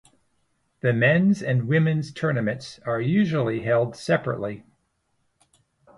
The men's and women's tournaments are usually held separately.